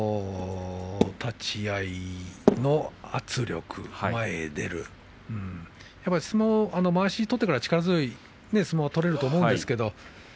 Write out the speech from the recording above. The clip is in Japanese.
立ち合いの圧力前へ出る力と、まわしを取れば力強い相撲を取ると思うんですがね。